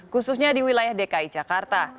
khususnya di wilayah dki jakarta